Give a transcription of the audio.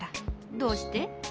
どうして？